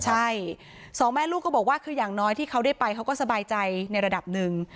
ใช่สองแม่ลูกก็บอกว่าคืออย่างน้อยที่เขาได้ไปเขาก็สบายใจในระดับหนึ่ง